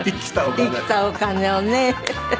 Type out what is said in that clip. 生きたお金をね。